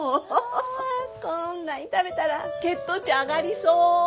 こんなに食べたら血糖値上がりそう。